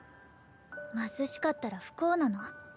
貧しかったら不幸なの？